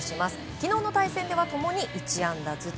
昨日の対戦では共に１安打ずつ。